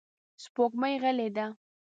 سپوږمۍ غلې ده.